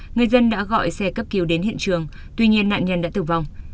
người dân đã gọi xe cấp cứu đến hiện trường tuy nhiên nạn nhân đã tử vong